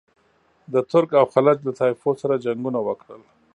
د ترک او خلج له طایفو سره جنګونه وکړل.